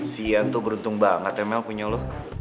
si yanto beruntung banget ya mel punya lo